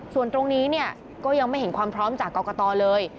ส่วนตรงนี้เนี่ยก็ยังไม่เห็นความพร้อมจากกรกตเลย